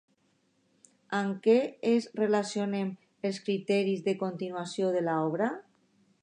Amb què es relacionaven els criteris de continuació de l'obra?